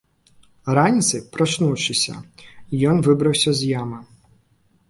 Раніцай, прачнуўшыся, ён выбраўся з ямы.